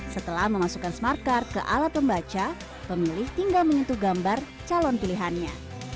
setelah memasukkan smart card ke alat pembaca pemilih tinggal menyentuh gambar calon pilihannya